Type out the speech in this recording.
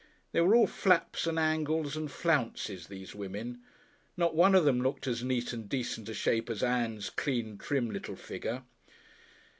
They were all flaps and angles and flounces these women. Not one of them looked as neat and decent a shape as Ann's clean, trim, little figure.